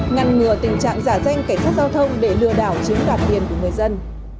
ngăn ngừa tình trạng giả danh cảnh sát giao thông để lừa đảo chiếm đoạt tiền của người dân